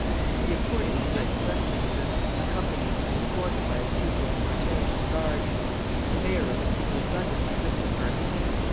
He accordingly went to Westminster, accompanied and escorted by a suitable cortége and guard. The mayor of the city of London was with the party.